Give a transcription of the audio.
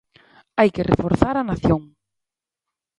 Hai que reforzar a nación.